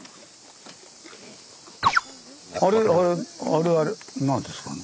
あれあれあれ何ですかね？